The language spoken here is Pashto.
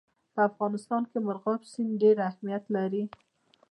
په افغانستان کې مورغاب سیند ډېر اهمیت لري.